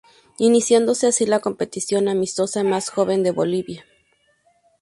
Iniciándose así la competición amistosa más joven de Bolivia.